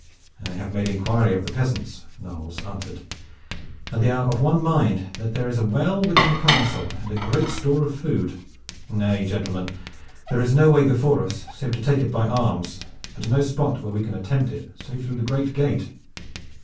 "I have made inquiry of the peasants," Knolles answered, "and they are of one mind that there is a well within the castle, and good store of food. Nay, gentlemen, there is no way before us save to take it by arms, and no spot where we can attempt it save through the great gate.